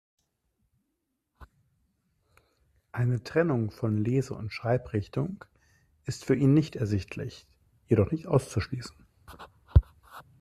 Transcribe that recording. Eine Trennung von Lese- und Schreibrichtung ist für ihn nicht ersichtlich, jedoch nicht auszuschließen.